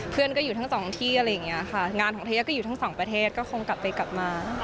เพื่อนก็อยู่ทั้งสองที่อะไรอย่างนี้ค่ะงานของเทยาก็อยู่ทั้งสองประเทศก็คงกลับไปกลับมา